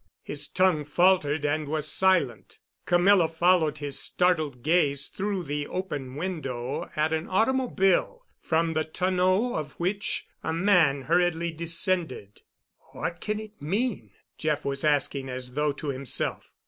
His tongue faltered and was silent. Camilla followed his startled gaze through the open window at an automobile, from the tonneau of which a man hurriedly descended. "What can it mean?" Jeff was asking as though to himself.